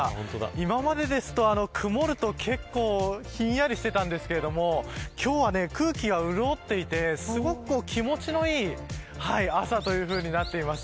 今までですと曇ると結構ひんやりしてたんですけれども今日は空気が潤っていてすごく気持ちのいい朝というようになっています。